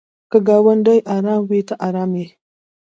که ګاونډی ارام وي ته ارام یې.